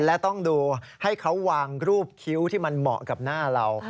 และต้องดูให้เขาวางรูปคิ้วที่มันเหมาะกับหน้าเรา